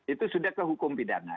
itu sudah ke hukum pidana